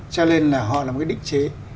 cho nên là họ là một cái đích chế